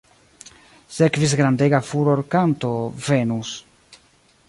Sekvis grandega furorkanto "Venus".